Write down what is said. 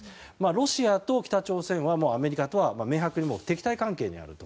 ロシアと北朝鮮はアメリカとは明白に敵対関係にあると。